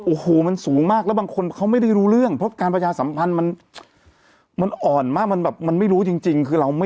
โอ้โหมันสูงมากแล้วบางคนเขาไม่ได้รู้เรื่องเพราะการประชาสัมพันธ์มันอ่อนมากมันแบบมันไม่รู้จริงคือเราไม่